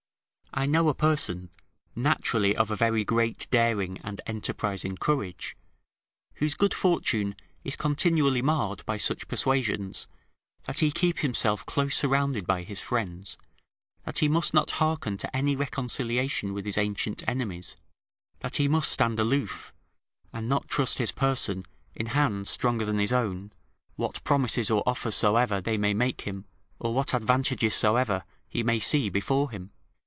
I know a person, naturally of a very great daring and enterprising courage, whose good fortune is continually marred by such persuasions, that he keep himself close surrounded by his friends, that he must not hearken to any reconciliation with his ancient enemies, that he must stand aloof, and not trust his person in hands stronger than his own, what promises or offers soever they may make him, or what advantages soever he may see before him.